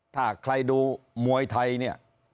ถ้าใครดูมวยไทยเนี่ย